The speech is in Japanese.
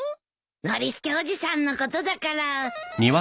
ノリスケおじさんのことだから。